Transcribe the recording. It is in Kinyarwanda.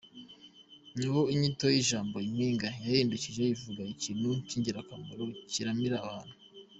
Niho inyito y’ijambo impinga yahindukiye ivuga ikintu cy’ingirakamaro, kiramira abantu.